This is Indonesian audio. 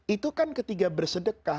itu kan ketika bersedekah